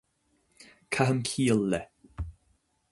Caithim ciall le